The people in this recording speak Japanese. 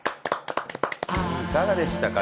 いかがでしたか？